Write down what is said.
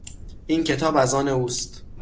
این کتاب از آن اوست.